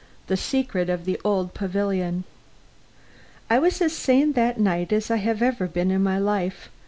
XI THE SECRET OF THE OLD PAVILION I was as sane that night as I had ever been in my life.